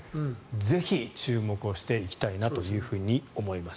ぜひ、注目をしていきたいなと思います。